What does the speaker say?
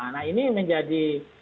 nah ini menjadi